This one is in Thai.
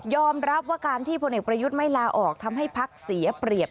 รับว่าการที่พลเอกประยุทธ์ไม่ลาออกทำให้พักเสียเปรียบ